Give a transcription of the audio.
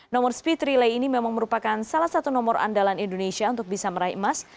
nomor speed relay ini memang merupakan salah satu nomor andalan indonesia untuk bisa meraih emas